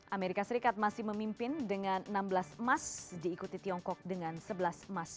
amerika serikat masih memimpin dengan enam belas emas diikuti tiongkok dengan sebelas emas